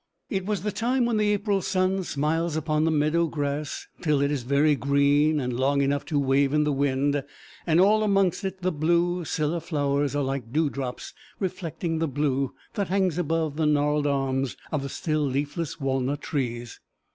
It was the time when the April sun smiles upon the meadow grass till it is very green and long enough to wave in the wind, and all amongst it the blue scilla flowers are like dewdrops reflecting the blue that hangs above the gnarled arms of the still leafless walnut trees.